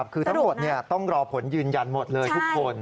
คือทั้งหมดต้องรอผลยืนยันหมดเลยทุกคน